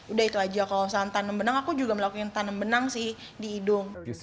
udah itu aja kalau misalnya tanam benang aku juga melakukan tanam benang sih di hidung